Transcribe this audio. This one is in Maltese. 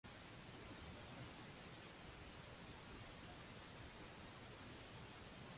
Kif nibtet l-idea li tiftaħ klabb tal-Inter f'Malta?